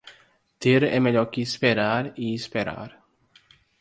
Ter é melhor que esperar e esperar.